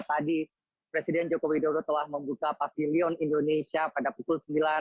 tadi presiden joko widodo telah membuka pavilion indonesia pada pukul sembilan waktu hannover dimana kalau